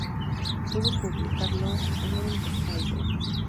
Pudo publicarlo en "The Savoy".